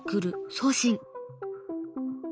送信。